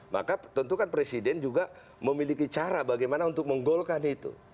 maka tentu kan presiden juga memiliki cara bagaimana untuk menggolkan itu